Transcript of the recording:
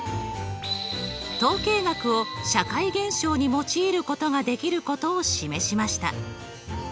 統計学を社会現象に用いることができることを示しました。